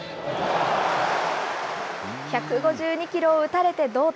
１５２キロを打たれて、同点。